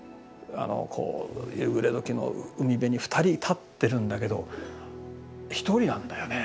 夕暮れ時の海辺に二人立ってるんだけど一人なんだよね。